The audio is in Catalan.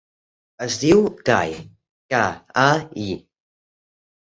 Es diu Kai: ca, a, i.